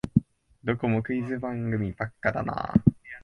どこもクイズ番組ばっかだなあ